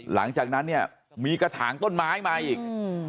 หลังจากนั้นเนี่ยมีกระถางต้นไม้มาอีก